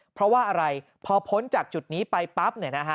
เพราะว่าอะไรพอพ้นจากจุดนี้ไปปั๊บ